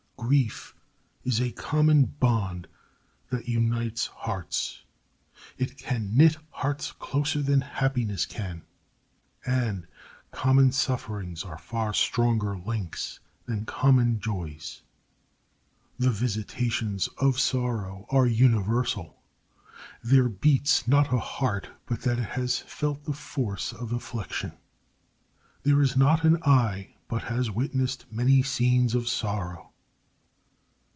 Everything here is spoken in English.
Grief is a common bond that unites hearts. It can knit hearts closer than happiness can, and common sufferings are far stronger links than common joys. The visitations of sorrow are universal. There beats not a heart but that it has felt the force of affliction. There is not an eye but has witnessed many scenes of sorrow.